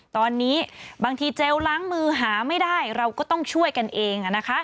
ตอนนี้บางทีเจลล้างมือหาไม่ได้เราก็ต้องช่วยกันเอง